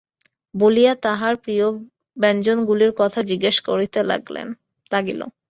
বলিয়া তাহার নিজের প্রিয় ব্যঞ্জনগুলির কথা জিজ্ঞাসা করিতে লাগিল।